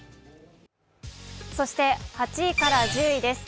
そして、８位から１０位です。